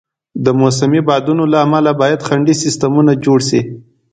د موسمي بادونو له امله باید خنډي سیستمونه جوړ شي.